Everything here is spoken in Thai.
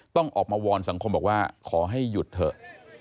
ต้องออกมาวอนสังคมบอกว่าขอให้หยุดเถอะ